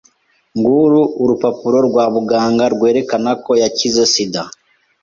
Nguru urupapuro rwa muganga rwerekanako yakize SIDA